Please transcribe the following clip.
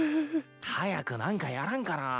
早く何かやらんかなぁ。